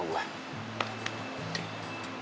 kita pulang yuk